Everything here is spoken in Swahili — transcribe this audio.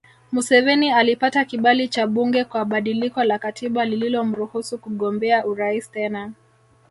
Museveni alipata kibali cha bunge kwa badiliko la katiba lililomruhusu kugombea urais tena